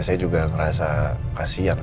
saya juga ngerasa kasihan